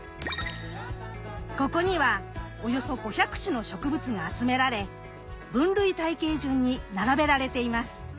ここにはおよそ５００種の植物が集められ分類体系順に並べられています。